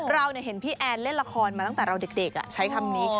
เราเห็นพี่แอนเล่นละครมาตั้งแต่เราเด็กใช้คำนี้